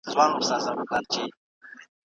د راتلونکي وړاندوينه د علم مهمه ځانګړنه نه ده؟